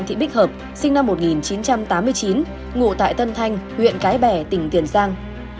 thị bích hợp sinh năm một nghìn chín trăm tám mươi chín ngụ tại tân thanh huyện cái bè tỉnh tiền giang